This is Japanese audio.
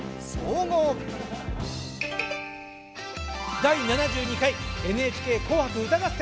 第７２回「ＮＨＫ紅白歌合戦」。